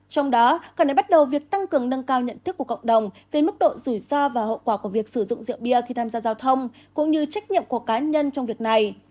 trong đó cần để bắt đầu việc tăng cường nâng cao nhận thức của cộng đồng về mức độ rủi ro và hậu quả của việc sử dụng rượu bia khi tham gia giao thông cũng như trách nhiệm của cá nhân trong việc này